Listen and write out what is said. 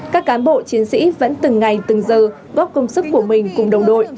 các cán bộ chiến sĩ vẫn từng ngày từng giờ góp công sức của mình cùng đồng đội